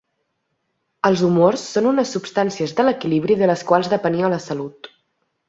Els humors són unes substàncies de l'equilibri de les quals depenia la salut.